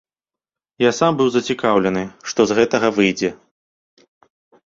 Я сам быў зацікаўлены, што з гэтага выйдзе.